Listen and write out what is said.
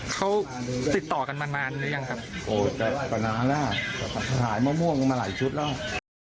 เขาติดต่อกันมานานหรือยังครับโอ้แต่ก็นานแล้วขายมะม่วงมาหลายชุดแล้ว